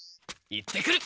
行ってくる。